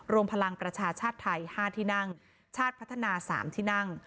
รวมพลังประชาชาติไทย๕ที่นั่งชาติพัฒนา๓ที่นั่ง